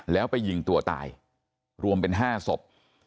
แล้วไปยิงตัวตายรวมเป็น๕ศพ